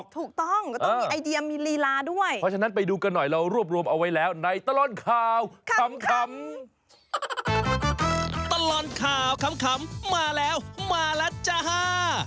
ตลอดข่าวขำมาแล้วมาแล้วจ๊ะฮ่า